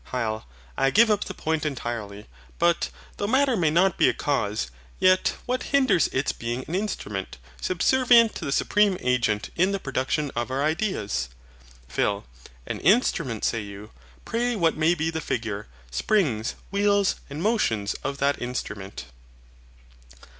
HYL. I give up the point entirely. But, though Matter may not be a cause, yet what hinders its being an INSTRUMENT, subservient to the supreme Agent in the production of our ideas? PHIL. An instrument say you; pray what may be the figure, springs, wheels, and motions, of that instrument?